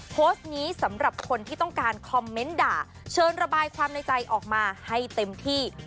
โพสต์นี้สำหรับคนที่ต้องการคอมเมนต์ด่าเชิญระบายความในใจออกมาให้เต็มที่